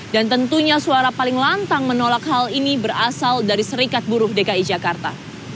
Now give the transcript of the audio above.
dan tentunya suara paling lantang menolak hal ini berasal dari serikat buruh dki jakarta